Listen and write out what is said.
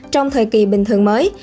trong thời kỳ bình thường mới